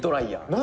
「何？